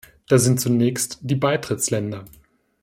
Da sind zunächst die Beitrittsländer.